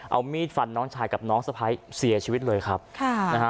เอามีดฟันน้องชายกับน้องสะพ้ายเสียชีวิตเลยครับค่ะนะฮะ